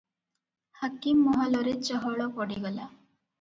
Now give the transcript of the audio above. ହାକିମ ମହଲରେ ଚହଳ ପଡିଗଲା ।